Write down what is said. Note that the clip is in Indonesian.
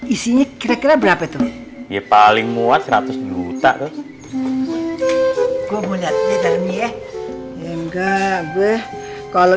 isinya kira kira berapa itu ya paling muat seratus juta gue boleh lihat ya enggak gue kalau